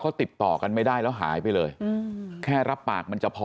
เขาติดต่อกันไม่ได้แล้วหายไปเลยแค่รับปากมันจะพอ